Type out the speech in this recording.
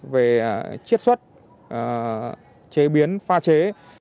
về chiếc xuất chế biến pha chế